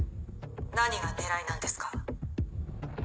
何が狙いなんですか？